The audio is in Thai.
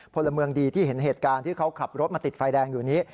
พลเมืองดีที่เห็นเหตุการณ์ที่เขาขับรถมาติดไฟแดงอยู่นี้